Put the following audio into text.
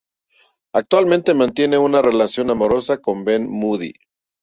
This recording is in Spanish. Actualmente mantiene una relación amorosa con Ben Moody.